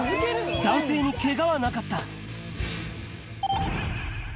男性にけがはなかった。